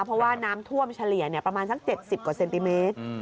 เพราะว่าน้ำท่วมเฉลี่ยประมาณสัก๗๐กว่าเซนติเมตร